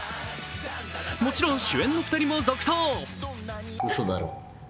もちろん主演の２人も続投。